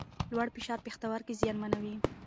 لوړ فشار پښتورګي زیانمنوي.